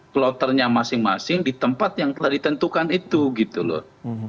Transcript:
kloternya masing masing di tempat yang telah ditentukan itu gitu loh